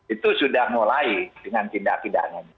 itu sudah mulai dengan tindak pidana ini